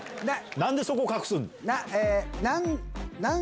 何でそこ隠すんだ